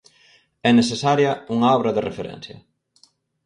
É necesaria unha obra de referencia.